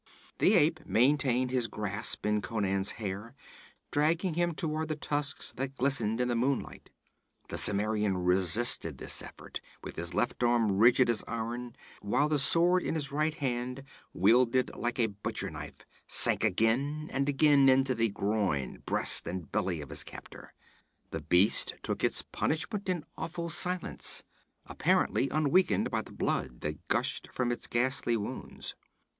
The ape maintained his grasp in Conan's hair, dragging him toward the tusks that glistened in the moonlight. The Cimmerian resisted this effort, with his left arm rigid as iron, while the sword in his right hand, wielded like a butcher knife, sank again and again into the groin, breast and belly of his captor. The beast took its punishment in awful silence, apparently unweakened by the blood that gushed from its ghastly wounds.